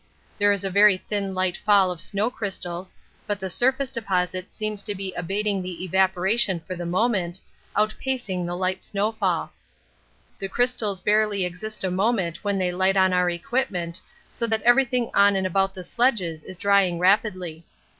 There is a very thin light fall of snow crystals, but the surface deposit seems to be abating the evaporation for the moment, outpacing the light snowfall. The crystals barely exist a moment when they light on our equipment, so that everything on and about the sledges is drying rapidly.